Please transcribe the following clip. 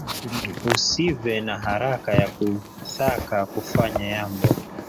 Usive na haraka ya kuthaka kufanya yambo